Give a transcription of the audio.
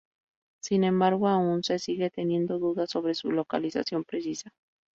Sin embargo, aún se sigue teniendo dudas sobre su localización precisa.